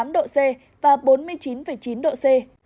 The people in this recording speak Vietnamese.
bốn mươi chín tám độ c và bốn mươi chín chín độ c